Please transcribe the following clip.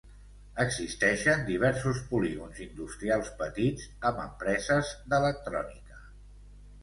Existeixen diversos polígons industrials petits amb empreses d'electrònica.